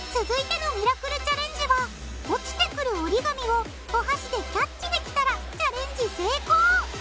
続いてのミラクルチャレンジは落ちてくる折り紙をお箸でキャッチできたらチャレンジ成功。